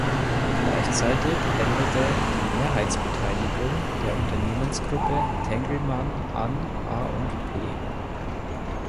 Gleichzeitig endete die Mehrheitsbeteiligung der Unternehmensgruppe Tengelmann an A&P.